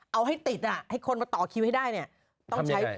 เอาให้ติดอ่ะให้คนมาต่อคิวให้ได้เนี่ย